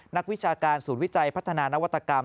นักวิชาการศูนย์วิจัยพัฒนานวัตกรรม